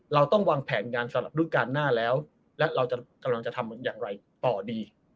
เราต้องวางแผนงานสำหรับรุ่นการหน้าแล้วและเรากำลังจะทำอย่างไรต่อดี